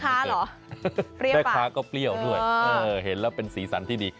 แม่ค้าก็เปรี้ยวด้วยเห็นแล้วเป็นสีสันที่ดี